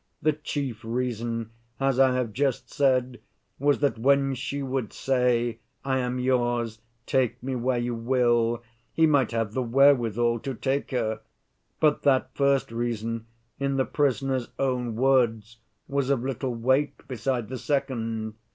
The chief reason, as I have just said, was that when she would say, 'I am yours, take me where you will,' he might have the wherewithal to take her. But that first reason, in the prisoner's own words, was of little weight beside the second.